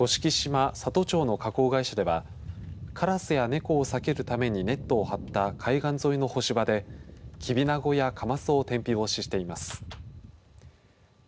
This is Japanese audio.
甑島里町の加工会社ではカラスや猫を避けるためにネットを張った岸沿いの干場できびなごやカマスを天日干ししています。